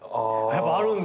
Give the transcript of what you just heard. やっぱあるんだ？